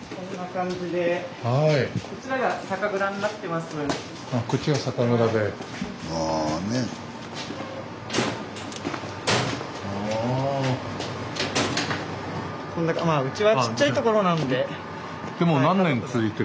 まあうちはちっちゃいところなので。